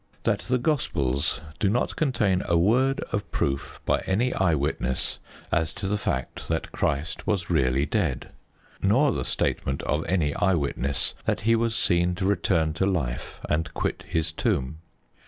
That the Gospels do not contain a word of proof by any eye witness as to the fact that Christ was really dead; nor the statement of any eye witness that He was seen to return to life and quit His tomb.